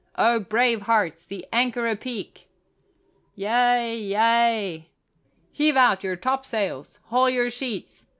O brave hearts, the anchor a peak!" "Yea, yea!" "Heave out your topsails! Haul your sheets!